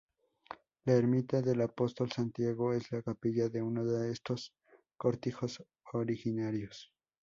La ermita del Apóstol Santiago es la capilla de uno de estos cortijos originarios.